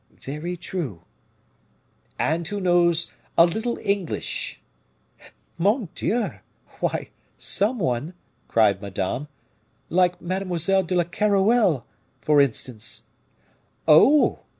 "Very true." "And who knows a little English." "Mon Dieu! why, some one," cried Madame, "like Mademoiselle de Keroualle, for instance!" "Oh!